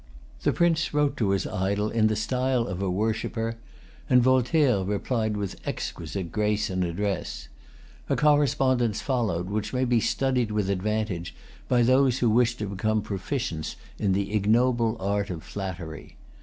The Prince wrote to his idol in the style of a worshipper; and Voltaire replied with exquisite grace and address. A correspondence followed, which may be studied with advantage by those who wish to become proficients in the ignoble art of flattery.